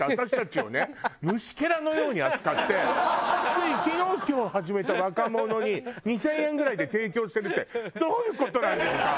虫けらのように扱ってつい昨日今日始めた若者に２０００円ぐらいで提供してるってどういう事なんですか？